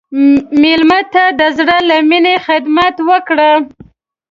مېلمه ته د زړه له میني خدمت وکړه.